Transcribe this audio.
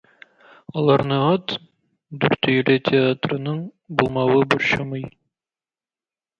Аларны ат, Дүртөйле театрының булмавы борчымый.